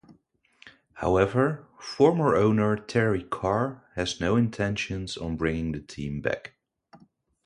However, former owner Teri Carr has no intentions on bringing the team back.